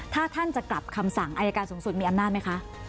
ถ้าท่านจะกลับคำสั่งอายการสูงสุดมีอำนาจไหมคะ